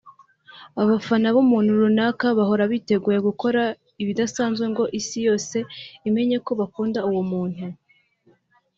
Abafana b’ umuntu runaka bahora biteguye gukora ibidasanzwe ngo Isi yose imenye ko bakunda uwo muntu